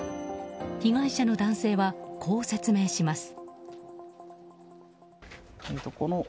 被害者の男性は、こう説明します。